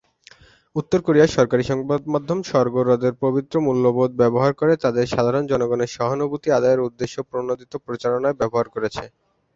উত্তর কোরিয়ার সরকারি সংবাদ মাধ্যম স্বর্গ হ্রদের পবিত্র মূল্যবোধ ব্যবহার করে তাদের সাধারণ জনগণের সহানুভূতি আদায়ের উদ্দেশ্যপ্রণোদিত প্রচারণায় ব্যবহার করেছে।